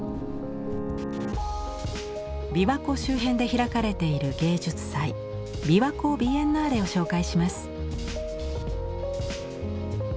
琵琶湖周辺で開かれている芸術祭「ＢＩＷＡＫＯビエンナーレ」を紹介します。